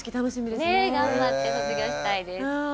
ねえ頑張って卒業したいです。